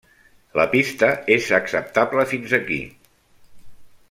La pista és acceptable fins aquí.